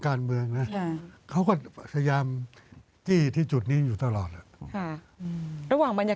แม้ละครสวชาโมงมีอำนาจ